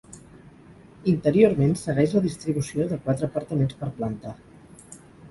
Interiorment, segueix la distribució de quatre apartaments per planta.